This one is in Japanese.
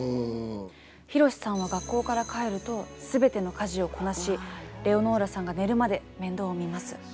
博さんは学校から帰ると全ての家事をこなしレオノーラさんが寝るまで面倒を見ます。